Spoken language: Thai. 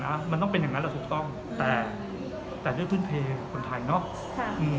คือจริงมันต้องเป็นอย่างนั้นแหละถูกต้องแต่ด้วยเพื่อนเพลงคนไทยเนาะ